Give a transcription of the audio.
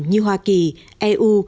như hoa kỳ eu